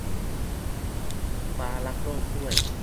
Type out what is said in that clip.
ฟ้ารักโลกด้วย